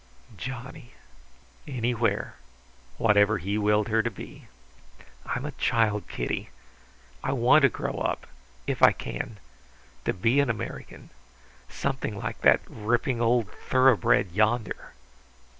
"Johnny." Anywhere, whatever he willed her to be. "I'm a child, Kitty. I want to grow up if I can to be an American, something like that ripping old thoroughbred yonder."